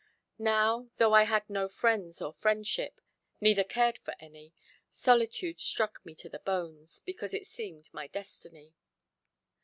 Now though I had no friends or friendship, neither cared for any, solitude struck me to the bones, because it seemed my destiny.